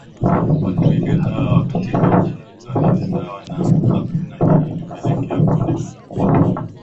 wa twiga hawa katika nchi hizo ni sawa na hakuna Hii imepelekea kuonekana kuwa